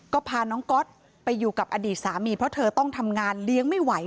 ก็พาน้องก๊อตไปอยู่กับอดีตสามีเพราะเธอต้องทำงานเลี้ยงไม่ไหว